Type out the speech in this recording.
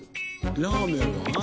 ラーメンは？